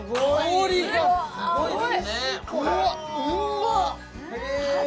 うまっ！